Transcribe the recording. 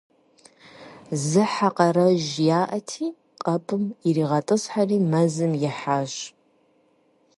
Зы хьэ къарэжь яӏэти, къэпым иригъэтӏысхьэри, мэзым ихьащ.